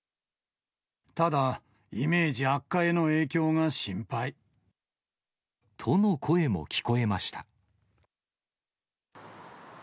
ただ、イメージ悪化への影響が心配。との声も聞こえました。